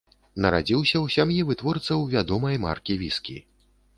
Нарадзіўся ў сям'і вытворцаў вядомай маркі віскі.